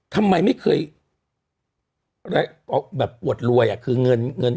ทำไมไม่เคยแบบอวดรวยอ่ะคือเงินเงิน